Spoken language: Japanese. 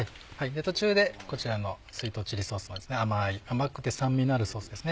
途中でこちらのスイートチリソースも甘くて酸味のあるソースですね。